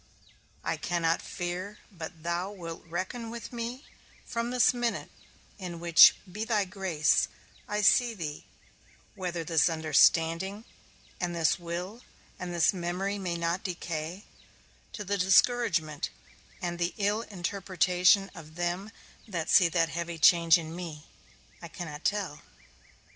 I cannot fear but that thou wilt reckon with me from this minute, in which, by thy grace, I see thee; whether this understanding, and this will, and this memory may not decay, to the discouragement and the ill interpretation of them that see that heavy change in me, I cannot tell.